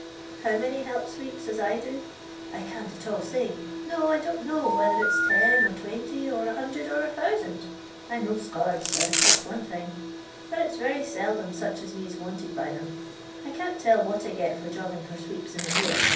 How many help sweeps as I do 1 I can't at all say. No, I don't' know whether it's 10, or 20, or 100, or 1000. I 'm no scholard, sir, that's one thing. But it 's very seldom such as me 's wanted by them. I can't tell what I get for jobbing for sweeps in a year.